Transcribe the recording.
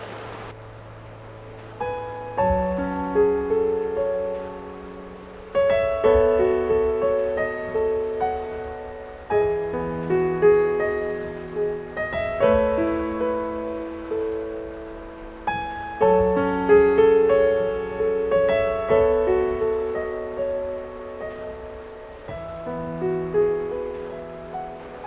จริง